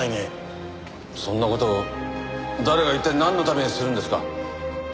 そんな事誰が一体なんのためにするんですか？